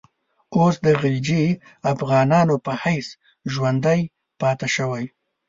اوس د غلجي افغانانو په حیث ژوندی پاته شوی.